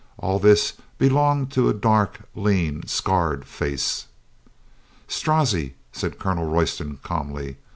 All this belonged to a dark, lean, scarred face. "Strozzi !" said Colonel Royston calmly.